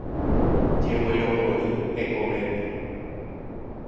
Jeguerohory hekovépe.